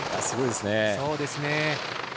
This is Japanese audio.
すごいですね。